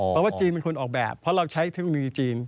เพราะว่าจีนเป็นคนออกแบบเพราะเราใช้เทคโนโลยีจีน